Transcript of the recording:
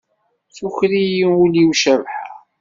Tuker-iyi ul-iw Cabḥa.